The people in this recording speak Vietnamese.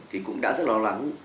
thì cũng đã rất lo lắng